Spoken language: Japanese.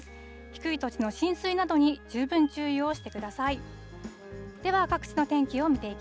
低い土地の浸水などに十分注意をしてください。